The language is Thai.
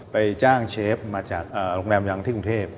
จ้างเชฟมาจากโรงแรมยังที่กรุงเทพ